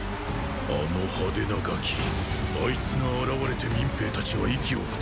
あの派手なガキあいつが現れて民兵たちは息を吹き返した！